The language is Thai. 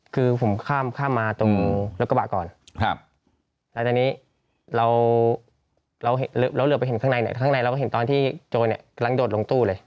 คือผมข้ามข้ามมาตรงรถกระบะก่อนแล้วตอนนี้เราเหลือไปเห็นข้างในเนี่ยข้างในเราก็เห็นตอนที่โจรเนี่ยกำลังโดดลงตู้เลย